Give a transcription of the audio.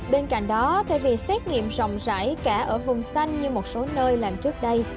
bên cạnh đó thay vì xét nghiệm rộng rãi cả ở vùng xanh như một số nơi làm trước đây